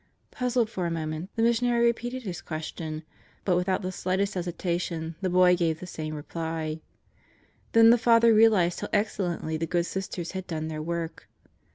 Puzzled for a moment, the Missionary repeated his question. But without the slightest hesitation the boy gave the same reply. Then the Father realized how excellently the good Sisters had done their work.